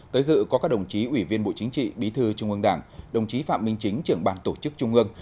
tới dự có các đồng chí ủy viên bộ chính trị bí thư trung ương đảng đồng chí phạm minh chính trưởng ban tổ chức trung ương